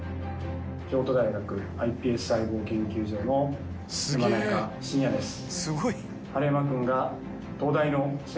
京都大学ｉＰＳ細胞研究所の山中伸弥です。